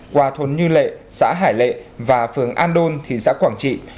qua thôn như lệ xã hải lệ và phường an đôn thị xã quảng trị